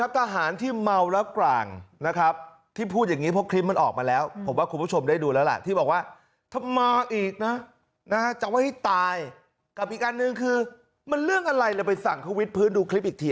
ทหารที่เมาแล้วกลางนะครับที่พูดอย่างนี้เพราะคลิปมันออกมาแล้วผมว่าคุณผู้ชมได้ดูแล้วล่ะที่บอกว่าถ้ามาอีกนะจะว่าให้ตายกับอีกอันหนึ่งคือมันเรื่องอะไรเลยไปสั่งทวิตพื้นดูคลิปอีกที